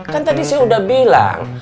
kan tadi saya sudah bilang